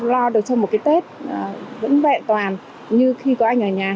lo được cho một cái tết vẫn vẹn toàn như khi có anh ở nhà